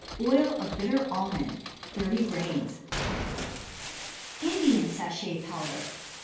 Oil of bitter almond 30 grains. INDIAN SACHET POWDER.